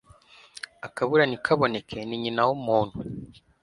akabura ntikaboneke ni nyina w'umuntu